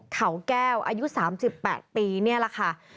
เขาแก้วอายุ๓๘ปีนี่แหละค่ะ